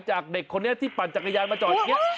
จากเด็กคนนี้ที่ปั่นจักรยานมาจอดอย่างนี้